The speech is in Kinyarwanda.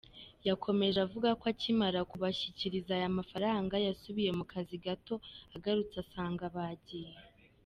Yakomeje avuga ko akimara kubashyikiriza aya mafaranga, yasubiye mu kazi gato, agarutse asanga bagiye.